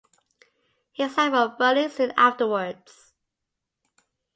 He signed for Burnley soon afterwards.